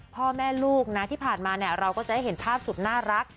พ่อแม่ลูกนะที่ผ่านมาเนี่ยเราก็จะได้เห็นภาพสุดน่ารัก